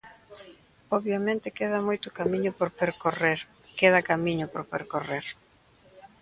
Obviamente queda moito camiño por percorrer, queda camiño por percorrer.